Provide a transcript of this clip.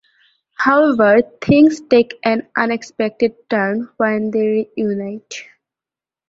However things take an unexpected turn when they reunite.